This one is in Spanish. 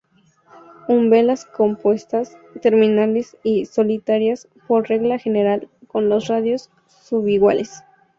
Umbelas compuestas, terminales y solitarias por regla general, con los radios subiguales.